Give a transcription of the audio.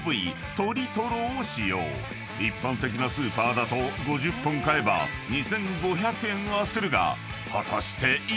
［一般的なスーパーだと５０本買えば２，５００円はするが果たして幾らなのか？］